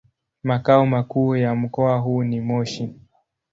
Makao makuu ya mkoa huu ni Moshi.